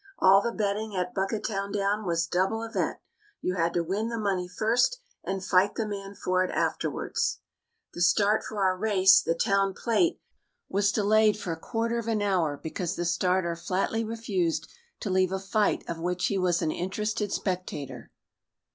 All the betting at Buckatowndown was double event you had to win the money first, and fight the man for it afterwards. The start for our race, the Town Plate, was delayed for a quarter of an hour because the starter flatly refused to leave a fight of which he was an interested spectator.